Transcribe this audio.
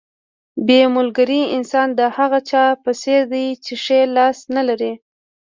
بې ملګري انسان د هغه چا په څېر دی چې ښی لاس نه لري.